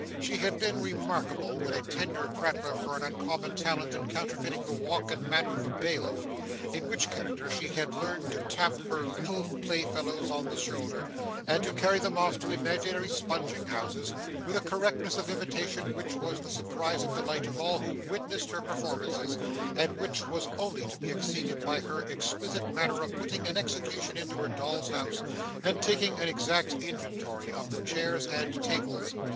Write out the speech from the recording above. She had been remarkable, when a tender prattler for an uncommon talent in counterfeiting the walk and manner of a bailiff: in which character she had learned to tap her little playfellows on the shoulder, and to carry them off to imaginary sponging houses, with a correctness of imitation which was the surprise and delight of all who witnessed her performances, and which was only to be exceeded by her exquisite manner of putting an execution into her doll's house, and taking an exact inventory of the chairs and tables.